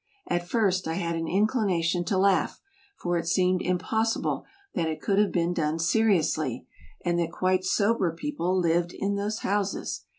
At first I had an inclination to laugh, for it seemed impossible that it could have been done seriously, and that quite sober people lived in those houses.